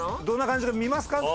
どんな感じか見ますか？